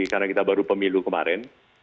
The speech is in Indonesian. karena kita baru pemilu kemarin